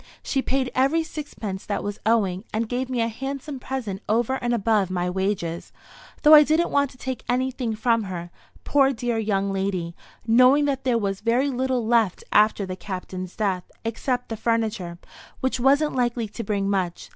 She paid every sixpence that was owing, and gave me a handsome present over and above my wages; though I didn't want to take anything from her, poor dear young lady, knowing that there was very little left after the Captain's death, except the furniture, which wasn't likely to bring much.